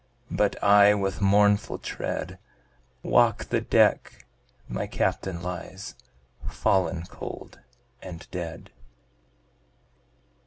But I with mournful tread, Walk the deck my Captain lies, Fallen Cold and Dead.